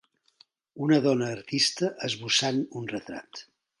Una dona artista esbossant un retrat.